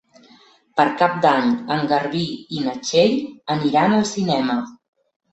Per Cap d'Any en Garbí i na Txell aniran al cinema.